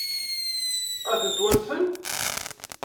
Ad ten-wansen?